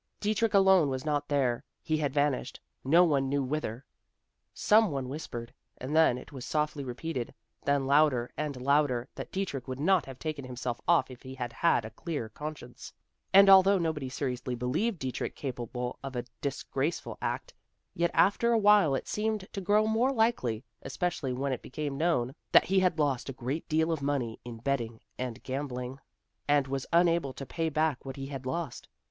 Dietrich alone was not there; he had vanished, no one knew whither. Some one whispered, and then it was softly repeated, then louder and louder, that Dietrich would not have taken himself off if he had had a clear conscience; and although nobody seriously believed Dietrich capable of a disgraceful act, yet after awhile it seemed to grow more likely, especially when it became known that he had lost a great deal of money in betting and gambling, and was unable to pay back what he had lost.